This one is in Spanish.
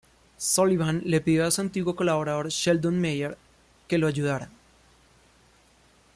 Sullivan le pidió a su antiguo colaborador Sheldon Mayer que lo ayudara.